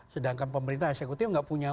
sedangkan pemerintah eksekutif nggak punya